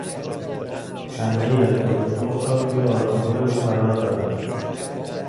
حلقهای از گل سرخ را روی آرامگاه او قرار دادند.